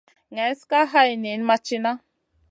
Neslna ka hay niyn ma tìna.